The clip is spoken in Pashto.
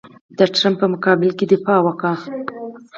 د ټرمپ په مقابل کې یې دفاع وکړه.